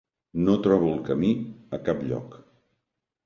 No trobo el camí a cap lloc!